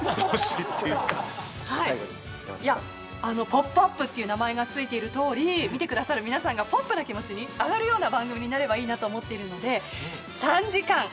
あの『ポップＵＰ！』っていう名前が付いているとおり見てくださる皆さんがポップな気持ちに上がるような番組になればいいなと思っているので３時間。